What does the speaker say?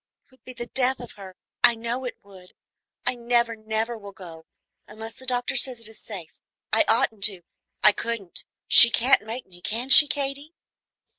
It would be the death of her, I know it would. I never, never will go, unless the doctor says it is safe. I oughtn't to, I couldn't; she can't make me, can she, Katy?"